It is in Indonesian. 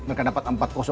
mereka dapat empat